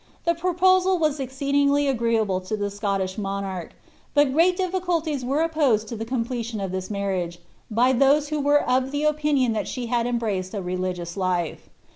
The proposal was exceedingly agree able to the Scottish monarch ; but great difficulties were opposed to the completion of this marriage, by those who were of opinion that she had embraced a religious life.